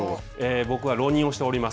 僕は浪人をしております。